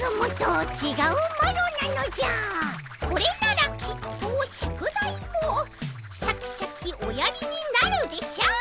これならきっと宿題もシャキシャキおやりになるでしょう。